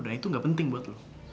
dan itu gak penting buat lo